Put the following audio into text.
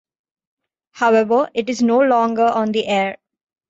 However, it is no longer on the air.